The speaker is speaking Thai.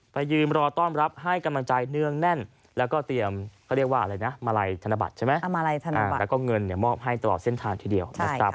ไปยืมรอต้อนรับให้กำลังใจเนื้องแน่นและเตรียมมาลัยธนบัตรและเงินมอบให้ตลอดเส้นทางทีเดียว